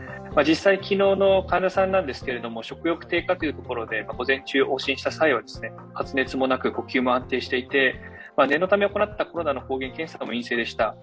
実際、昨日の患者さんですが、食欲低下というところで午前中、往診した際は発熱もなく、呼吸も安定していて、年のため行ったコロナの抗原検査も陰性でした。